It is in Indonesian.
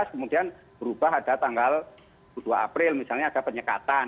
kemudian berubah ada tanggal dua puluh dua april misalnya ada penyekatan